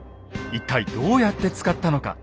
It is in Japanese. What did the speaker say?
一体どうやって使ったのか。